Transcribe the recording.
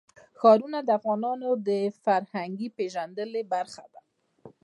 ښارونه د افغانانو د فرهنګي پیژندنې برخه ده.